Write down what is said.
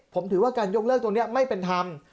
ผมถือว่าการยกเลิกตรงนี้ไม่เป็นธรรม